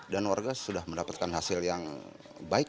dan warga sudah mendapatkan hasil yang baik